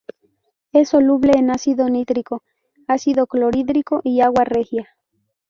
Es soluble en ácido nítrico, ácido clorhídrico y agua regia.